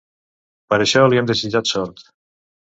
Per això li hem desitjat sort.